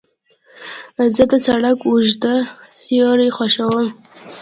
زه د سړک اوږده سیوري خوښوم.